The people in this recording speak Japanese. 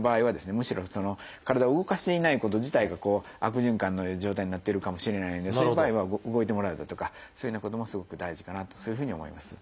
むしろ体を動かしていないこと自体が悪循環の状態になってるかもしれないのでそういう場合は動いてもらうだとかそういうようなこともすごく大事かなとそういうふうに思います。